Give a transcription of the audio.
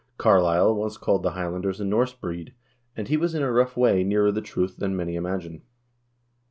Carlyle once called the Highlanders a Norse breed, and he was in a rough way nearer the truth than many imagine."